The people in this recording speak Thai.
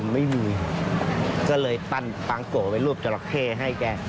ไม่มีก็เลยปั้นปางโกะไปรูปจราเข้ให้แก